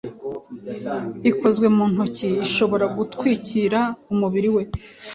ikozwe mu ntoki ishobora gutwikira umubiri we